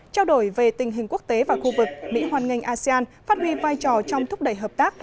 trao đổi về tình hình quốc tế và khu vực mỹ hoàn ngành asean phát huy vai trò trong thúc đẩy hợp tác